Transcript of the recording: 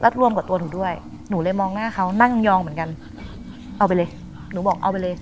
รวมกับตัวหนูด้วยหนูเลยมองหน้าเขานั่งยองเหมือนกันเอาไปเลยหนูบอกเอาไปเลย